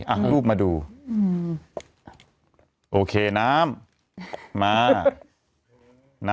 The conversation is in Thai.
อ่ะลูกมาดูโอเคน้ำมาน้ำเวยปัตต๊อปเนอะไปเจอน้ำ